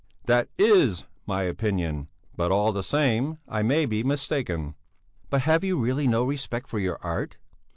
"That is my opinion, but all the same, I may be mistaken." "But have you really no respect for your art?"